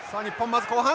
まず後半。